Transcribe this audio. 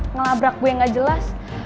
ngelabrak gue yang gak jelas